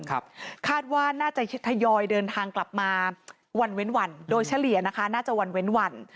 คาดว่าน่าจะทยอยเดินทางกลับมาวันเว้นวันโดยเฉลี่ยนะคะน่าจะวันเว้นวัน